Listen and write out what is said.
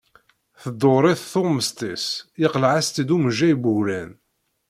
Tḍurr-it tuɣmest-is, yeqleɛ-as-tt-id umejjay n wuglan.